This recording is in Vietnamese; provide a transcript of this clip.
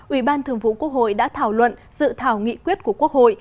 ủy ban thường vụ quốc hội đã thảo luận dự thảo nghị quyết của quốc hội